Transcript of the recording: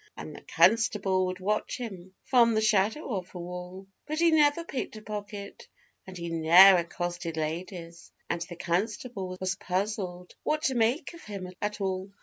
And the constable would watch him from the shadow of a wall, But he never picked a pocket, and he ne'er accosted ladies, And the constable was puzzled what to make of him at all.